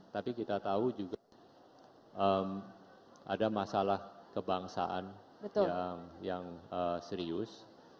tapi kita tahu juga ada masalah kebangsaan yang serius